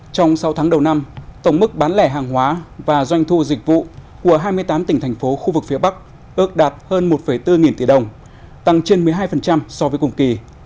trong sáu tháng đầu năm tổng mức bán lẻ hàng hóa và doanh thu dịch vụ của hai mươi tám tỉnh thành phố khu vực phía bắc ước đạt hơn một bốn nghìn tỷ đồng tăng trên một mươi hai so với cùng kỳ